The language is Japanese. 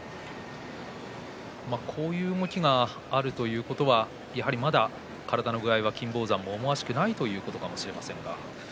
こういう動きがあるということはやはり、まだ金峰山も体の具合が思わしくないということがあるのかもしれません。